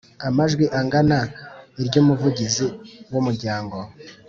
amajwi angana iry Umuvugizi w umuryango